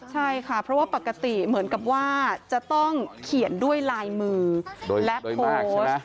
ใช่ค่ะเพราะว่าปกติเหมือนกับว่าจะต้องเขียนด้วยลายมือและโพสต์